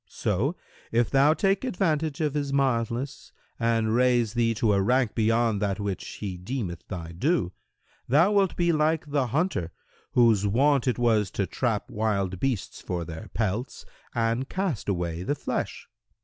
So, if thou take advantage of his mildness and raise thee to a rank beyond that which he deemeth thy due, thou wilt be like the hunter, whose wont it was to trap wild beasts for their pelts and cast away the flesh.